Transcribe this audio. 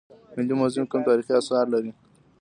ملي موزیم کوم تاریخي اثار لري؟